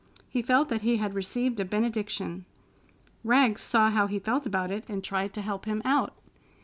He felt that he had received a benediction. Rags saw how he felt about it and tried to help him out.